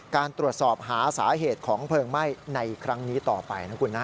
การตรวจสอบหาสาเหตุของเพลิงไหม้ในครั้งนี้ต่อไปนะคุณนะ